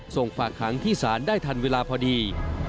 ส่งฝากหางที่ศาลได้ทันเวลาพอดี